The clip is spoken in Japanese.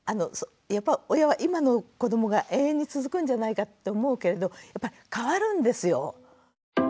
親は今の子どもが永遠に続くんじゃないかって思うけれどやっぱり変わるんですよ。